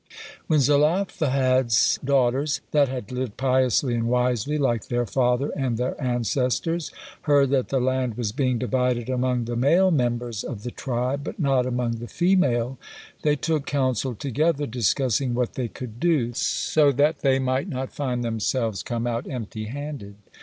When Zelophehad's daughters, that had lived piously and wisely like their father and their ancestors, heard that the land was being divided among the male members of the tribe, but not among the female, they took counsel together, discussing what they could do, so that they might not find themselves come out empty handed.